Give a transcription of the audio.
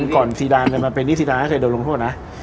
ก่อนซีดานไปนี่ซีดานเคยโดนลงโทษนะ